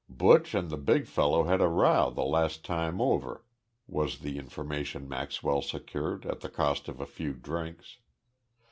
"Buch and the big fellow had a row the last time over," was the information Maxwell secured at the cost of a few drinks.